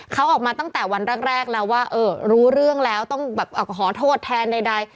เขาออกมาตั้งแต่วันแรกแล้วว่าเออรู้เรื่องแล้วต้องแบบขอโทษแทนใด